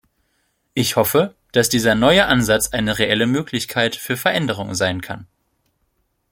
Ich hoffe, dass dieser neue Ansatz eine reelle Möglichkeit für Veränderungen sein kann.